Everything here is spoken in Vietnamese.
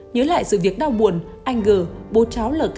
nhớ lại sự việc đau buồn anh g bố cháu lkn